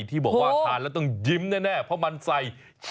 ที่บอกว่าทานแล้วต้องยิ้มแน่เพราะมันใส่